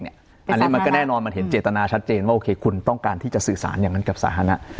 อันนี้มันก็แน่นอนมันเห็นเจตนาชัดเจนว่าโอเคคุณต้องการที่จะสื่อสารอย่างนั้นกับสาธารณะ